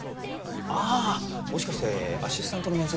あぁもしかしてアシスタントの面接？